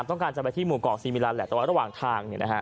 ต้องการจะไปที่หมู่เกาะซีมิลันแหละแต่ว่าระหว่างทาง